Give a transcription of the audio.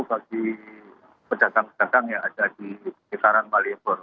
bagi pejabat pejabat yang ada di sekitaran maliebor